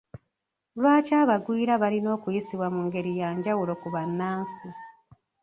Lwaki abagwira balina okuyisibwa mu ngeri ya njawulo ku bannansi?